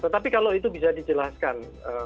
tetapi kalau itu bisa dijelaskan